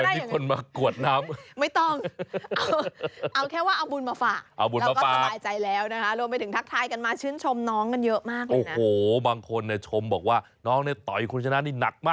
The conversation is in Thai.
เดี๋ยวนี้คุณมากวดน้ำไม่ต้องเอาแค่ว่าเอาบุญมาฝากเราก็จะรายใจแล้วนะคะโอ้โหเดี๋ยวนี้คุณมากกวดน้ำไม่ต้องเอาแค่ว่าเอาบุญมาฝากเราก็จะรายใจแล้วนะคะ